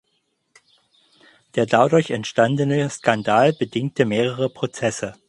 Der dadurch entstandene Skandal bedingte mehrere Prozesse.